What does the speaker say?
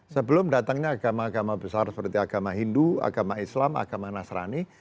sebelum datangnya agama agama besar seperti agama hindu agama islam agama nasrani